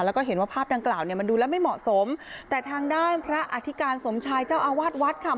แล้วก็เห็นว่าภาพดังกล่าวเนี่ยมันดูแล้วไม่เหมาะสมแต่ทางด้านพระอธิการสมชายเจ้าอาวาสวัดค่ะ